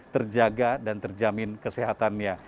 terjaga dan terjamin kesehatannya